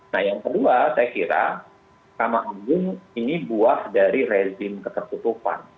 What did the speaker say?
nah yang kedua saya kira sama agung ini buah dari rezim ketertutupan